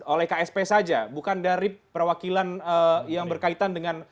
oleh ksp saja bukan dari perwakilan yang berkaitan dengan